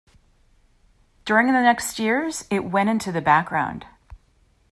During the next years it went into the background.